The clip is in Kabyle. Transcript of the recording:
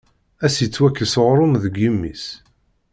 Ad s-yettwakkes uɣrum deg imi-s.